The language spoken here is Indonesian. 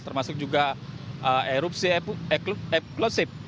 termasuk juga erupsi eklosif